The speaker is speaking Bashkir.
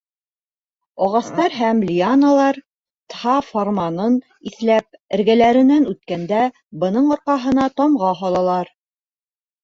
Ағастар һәм лианалар, Тһа фарманын иҫләп, эргәләренән үткәндә, бының арҡаһына тамға һалалар.